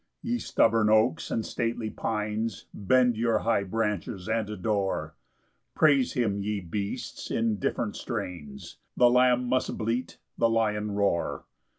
7 Ye stubborn oaks, and stately pines, Bend your high branches and adore: Praise him, ye beasts, in different strains; The lamb must bleat, the lion roar.